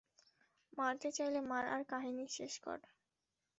মারতে চাইলে মার, আর কাহিনী শেষ কর।